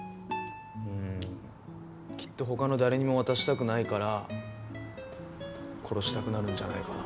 うんきっと他の誰にも渡したくないから殺したくなるんじゃないかな。